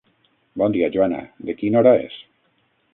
Bon dia, Joana, de quina hora és?